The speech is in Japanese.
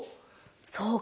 そうか！